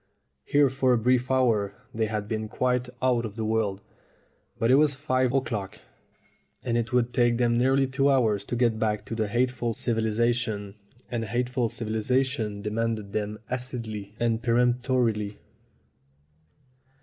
Here for a brief hour they had been quite out of the world. But it was five o'clock, and it would take them nearly two hours to get back to hateful civilization, and hateful civilization de manded them acidly and peremptorily.